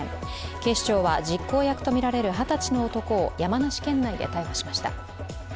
警視庁は実行役とみられる二十歳の男を、山梨県内で逮捕しました。